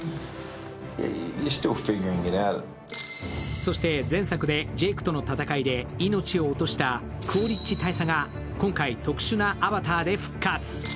そして、前作でジェイクとの戦いで命を落としたクオリッチ大佐が今回、特殊なアバターで復活。